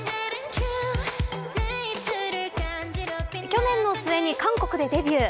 去年の末に韓国でデビュー。